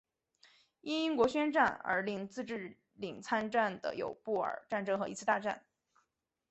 因英国宣战而令自治领参战的有布尔战争和一次大战。